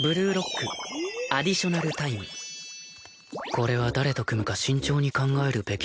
これは誰と組むか慎重に考えるべきですね